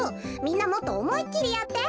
みんなもっとおもいっきりやって。